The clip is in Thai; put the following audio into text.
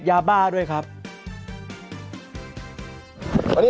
อันนี้คือ